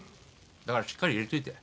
だからしっかり入れといた。